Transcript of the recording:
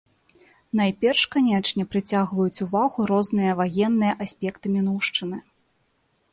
Найперш, канечне, прыцягваюць увагу розныя ваенныя аспекты мінуўшчыны.